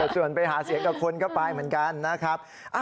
ส่วนไปหาเสียงกับคนก็ไปเหมือนกันนะครับ